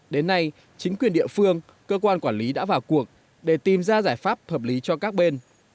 đến nay chính quyền địa phương cơ quan quản lý đã vào cuộc để tìm ra giải pháp hợp lý cho các bên